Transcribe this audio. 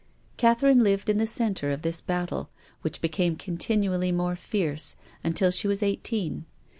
Catherine lived in the centre of this battle, which became continually more fierce, un til she was eighteen.